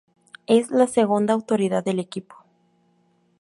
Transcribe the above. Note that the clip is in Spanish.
Es la segunda autoridad del equipo.